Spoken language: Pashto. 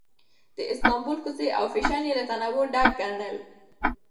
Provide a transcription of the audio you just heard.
د استانبول کوڅې او فېشن یې له تنوع ډک ګڼل.